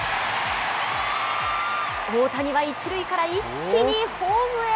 大谷は１塁から一気にホームへ。